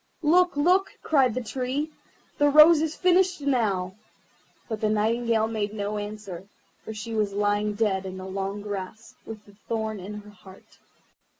"Look, look!" cried the Tree, "the rose is finished now"; but the Nightingale made no answer, for she was lying dead in the long grass, with the thorn in her heart.